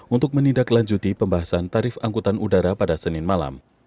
untuk menindaklanjuti pembahasan tarif angkutan udara pada senin malam